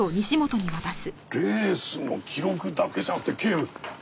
レースの記録だけじゃなくて警部！